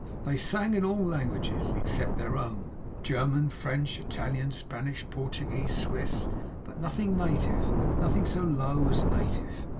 They sang in all languages except their own. German, French, Italian, Spanish, Portuguese, Swiss; but nothing native; nothing so low as native.